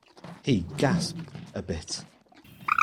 He gasped a bit.